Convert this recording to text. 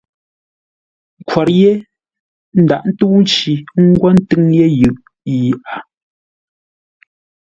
Khwor yé ndaghʼ ntə́u mənci ə́ ngwo ńtʉ́ŋ yé yʉʼ yi a.